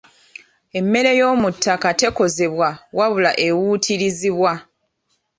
Emmere y'omu ttaka tekozebwa wabula ewuutirizibwa.